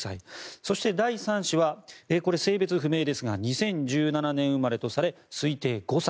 そして、第３子はこれ、性別不明ですが２０１７年生まれとされ推定５歳。